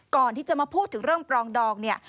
ก่อนที่จะมาพูดถึงเรื่องปรองดองเนี่ย